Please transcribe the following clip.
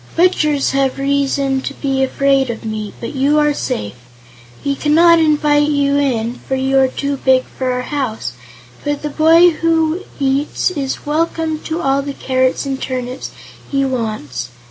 Butchers have reason to be afraid of me, but you are safe. We cannot invite you in, for you are too big for our house, but the boy who eats is welcome to all the carrots and turnips he wants.